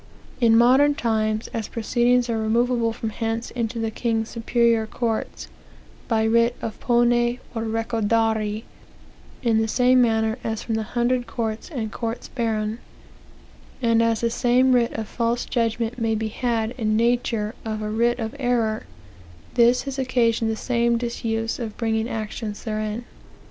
In modern times, as proceedings are removable from hence into the king's superior courts, by writ of pone or recordari, in the same manner as from hundred courts and courts baron, and as the same writ of false judgment may be had in nature of a writ of error, this has occasioned the same disuse of bringing actions therein."